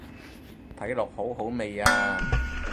睇落好好味啊